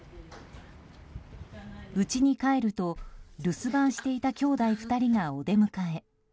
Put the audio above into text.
うちに帰ると、留守番していたきょうだい２人がお出迎え。